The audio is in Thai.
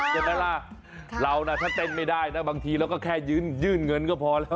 มีการเท่านั้นนะเราถ้าเต้นไม่ได้บางทีเราก็ค่ายื่นเงินก็พอแล้ว